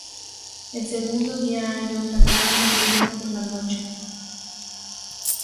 El segundo día hay otra gran verbena por la noche.